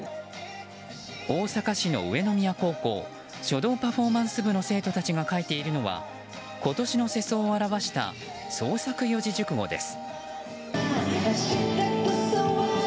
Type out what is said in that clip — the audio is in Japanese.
大阪市の上宮高校書道パフォーマンス部の生徒たちが書いているのは今年の世相を表した創作四字熟語です。